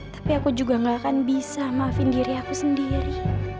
tapi aku juga gak akan bisa maafin diri aku sendiri